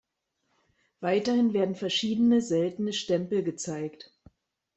Weiterhin werden verschiedene seltene Stempel gezeigt.